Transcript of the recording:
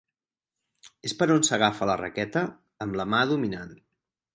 És per on s'agafa la raqueta amb la mà dominant.